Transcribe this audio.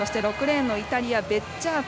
６レーンのイタリアのベッジャート。